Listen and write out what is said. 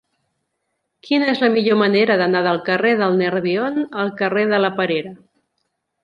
Quina és la millor manera d'anar del carrer del Nerbion al carrer de la Perera?